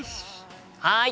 はい！